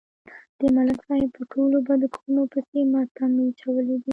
د ملک صاحب په ټولو بدو کړنو پسې مې تمبې اچولې دي